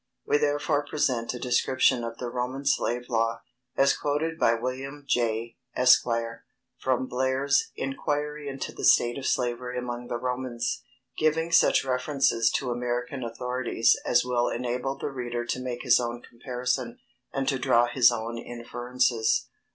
We therefore present a description of the Roman slave law, as quoted by William Jay, Esq., from Blair's "Inquiry into the State of Slavery among the Romans," giving such references to American authorities as will enable the reader to make his own comparison, and to draw his own inferences.